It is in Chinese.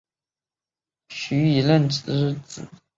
徐以任之子。